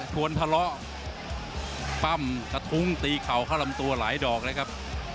ชวนทะเลาะปั้มกระทุ้งตีเข่าเข้าลำตัวหลายดอกเลยครับ